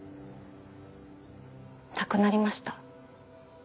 亡くなりました。